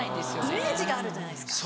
イメージがあるじゃないですか。